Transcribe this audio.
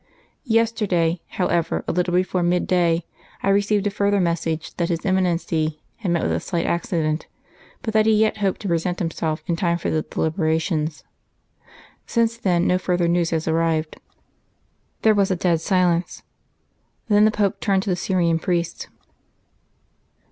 Yesterday, however, a little before mid day, I received a further message that his Eminency had met with a slight accident, but that he yet hoped to present himself in time for the deliberations. Since then no further news has arrived." There was a dead silence. Then the Pope turned to the Syrian priest.